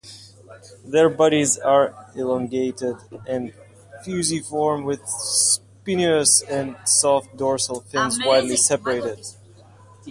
Their bodies are elongated and fusiform, with spinous and soft dorsal fins widely separated.